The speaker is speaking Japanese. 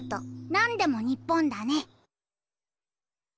何でも日本だね。